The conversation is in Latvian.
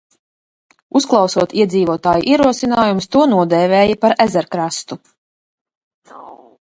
"Uzklausot iedzīvotāju ierosinājumus, to nodēvēja par "Ezerkrastu"."